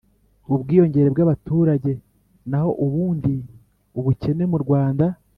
ubwiyongere bw'abaturage, naho ubundi ubukene mu rwanda